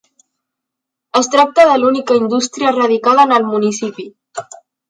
Es tracta de l'única indústria radicada en el municipi.